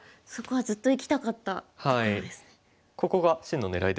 そこはずっといきたかったところですね。